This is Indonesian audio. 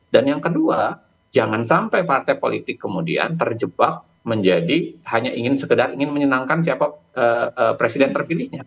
yang kedua jangan sampai partai politik kemudian terjebak menjadi hanya ingin sekedar ingin menyenangkan siapa presiden terpilihnya